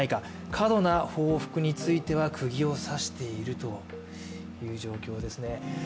過度な報復についてはくぎを刺しているという状況ですね。